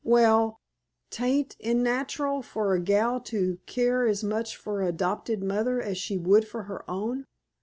Waal, 'tain't in natur' for a gal to keer as much for a 'dopted mother as she would for her own.